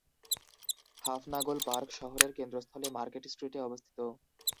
হাফনাগল park শহরের কেন্দ্রস্থলে market স্ট্রিটে অবস্থিত।